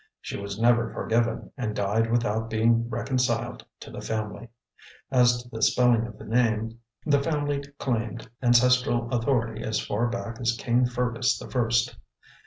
She was never forgiven, and died without being reconciled to the family. As to the spelling of the name, the family claimed ancestral authority as far back as King Fergus the First.